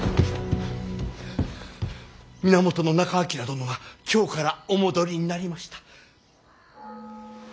源仲章殿が京からお戻りになりました。